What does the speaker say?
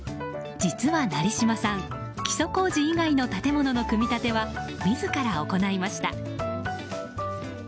実は、成島さん基礎工事以外の建物の組み立ては自ら行いました。